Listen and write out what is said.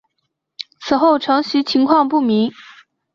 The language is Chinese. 此后承袭情况不明。